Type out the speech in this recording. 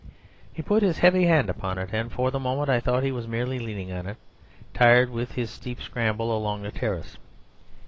He put his heavy hand upon it, and for the moment I thought he was merely leaning on it, tired with his steep scramble along the terrace.